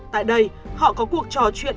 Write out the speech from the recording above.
tại đây họ có cuộc trò chuyện